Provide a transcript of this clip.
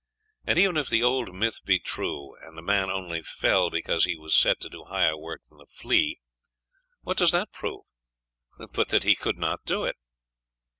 And even if the old myth be true, and the man only fell, because he was set to do higher work than the flea, what does that prove but that he could not do it?